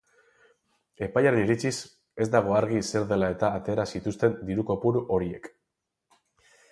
Epailearen iritziz, ez dago argi zer dela-eta atera zituzten diru-kopuru horiek.